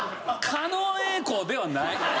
狩野英孝ではない。